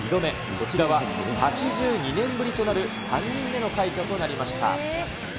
こちらは８２年ぶりとなる、３人目の快挙となりました。